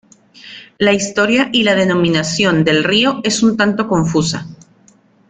La historia y la denominación del río es un tanto confusa.